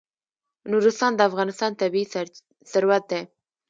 نورستان د افغانستان طبعي ثروت دی.